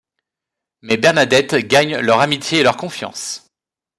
Mais Bernadette gagne leur amitié et leur confiance.